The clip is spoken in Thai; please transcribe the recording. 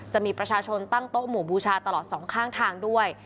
จะมีประชาชนตั้งโต๊ะหมู่บูชาตลอดสองข้างทางด้วย